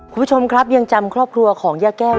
คุณผู้ชมครับยังจำครอบครัวของย่าแก้ว